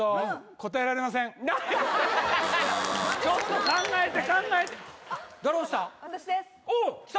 ちょっと考えて考えて誰押した？